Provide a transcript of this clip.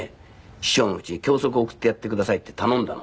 師匠の家に脇息を送ってやってくださいって頼んだの。